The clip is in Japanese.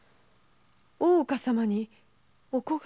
大岡様にお子が？